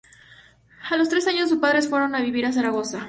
A los tres años sus padres fueron a vivir a Zaragoza.